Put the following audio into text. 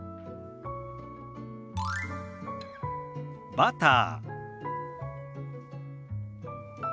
「バター」。